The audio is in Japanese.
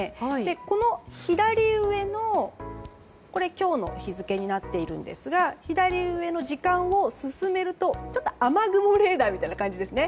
この左上の今日の日付になっているんですが左上の時間を進めるとちょっと雨雲レーダーみたいな感じですね。